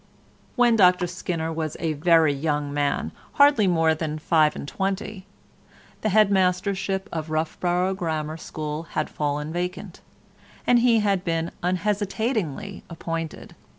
When Dr Skinner was a very young man, hardly more than five and twenty, the head mastership of Roughborough Grammar School had fallen vacant, and he had been unhesitatingly appointed.